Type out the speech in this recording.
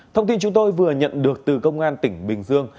thông tin chúng tôi vừa nhận được từ công an tỉnh bình dương